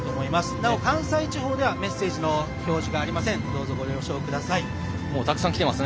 なお関西地方ではメッセージの表示がありません。